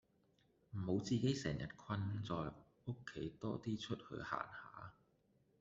唔好自己成日困在屋企多啲出去行下